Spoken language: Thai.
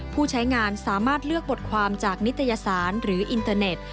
ผู้ใช้งานสามารถเลือกบทความจากนิตยสารหรืออินเตอร์เน็ต